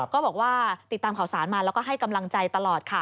ก็บอกว่าติดตามข่าวสารมาแล้วก็ให้กำลังใจตลอดค่ะ